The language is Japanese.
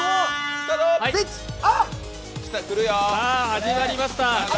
始まりました。